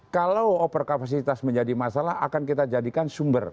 kalau over kapasitas menjadi masalah akan kita jadikan sumber